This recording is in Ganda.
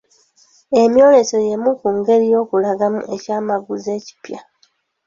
Emyoleso y'emu ku ngeri y'okulangamu ekyamaguzi ekipya.